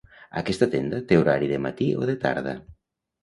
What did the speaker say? Aquesta tenda té horari de matí o de tarda?